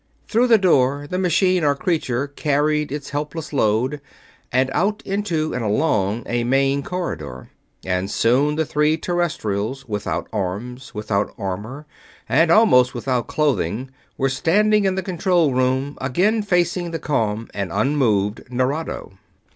Through the door the machine or creature carried its helpless load, and out into and along a main corridor. And soon the three Terrestrials, without arms, without armor, and almost without clothing, were standing in the control room, again facing the calm and unmoved Nerado.